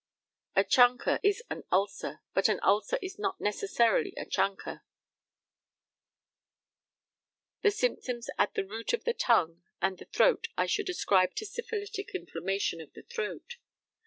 A chancre is an ulcer, but an ulcer is not necessarily a chancre. The symptoms at the root of the tongue and the throat I should ascribe to syphilitic inflammation of the throat.